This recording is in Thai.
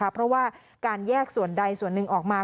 เพราะว่าการแยกส่วนใดส่วนหนึ่งออกมา